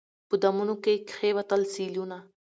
په دامونو کي یې کښېوتل سېلونه